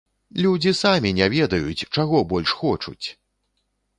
Людзі самі не ведаюць, чаго больш хочуць!